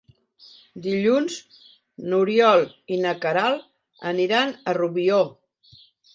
Dilluns n'Oriol i na Queralt aniran a Rubió.